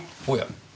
おや？